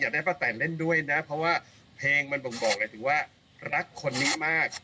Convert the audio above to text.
ได้ป้าแตนเล่นด้วยนะเพราะว่าเพลงมันบ่งบอกเลยถึงว่ารักคนนี้มาก